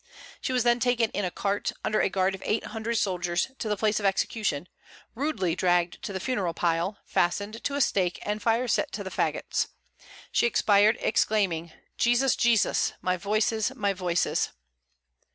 She was then taken in a cart, under guard of eight hundred soldiers, to the place of execution; rudely dragged to the funeral pile, fastened to a stake, and fire set to the faggots. She expired, exclaiming, "Jesus, Jesus! My voices, my voices!"